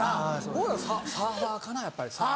僕らサーファーかなやっぱり。